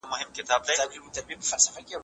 خپل عادتونه وڅارئ.